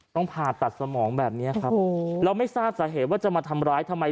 ผ่าตัดสมองแบบนี้ครับแล้วไม่ทราบสาเหตุว่าจะมาทำร้ายทำไม